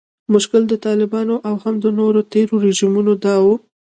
مشکل د طالبانو او هم د نورو تیرو رژیمونو دا و